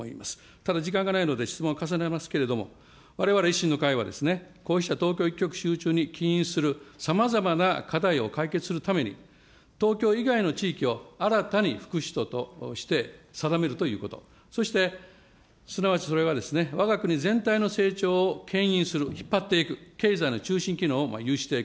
ただ、時間がないので、質問を重ねますけれども、われわれ維新の会は、こうした東京一極集中に起因するさまざまな課題を解決するために、東京以外の地域を新たに副首都として定めるということ、そして、すなわち、それがわが国全体の成長をけん引する、引っ張っていく、経済の中枢機能を有していく。